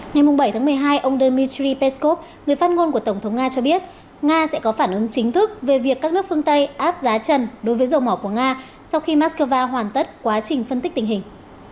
ngày bảy tháng một mươi hai ông dmitry peskov người phát ngôn của tổng thống nga cho biết nga sẽ có phản ứng chính thức về việc các nước phương tây áp giá trần đối với dầu mỏ của nga sau khi moscow hoàn tất quá trình phân tích tình hình